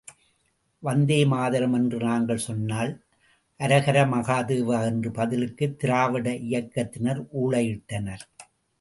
வந்தேமாதரம் என்று நாங்கள் சொன்னால், அரகர மகாதேவா என்று பதிலுக்கு திராவிட இயக்கத்தினர் ஊளையிட்டனர்.